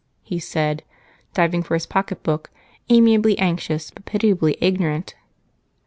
he said, diving for his pocketbook, amiably anxious but pitiably ignorant.